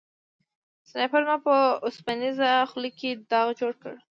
سنایپر زما په اوسپنیزه خولۍ کې داغ جوړ کړ